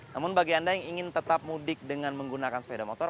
namun bagi anda yang ingin tetap mudik dengan menggunakan sepeda motor